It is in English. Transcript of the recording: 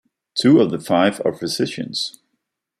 Two of the five are physicians.